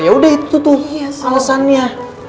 ya udah itu tuh alasannya